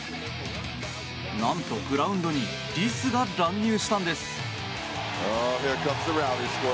なんとグラウンドにリスが乱入したんです。